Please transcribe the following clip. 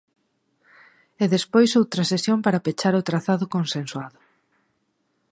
E despois outra sesión para pechar o trazado consensuado.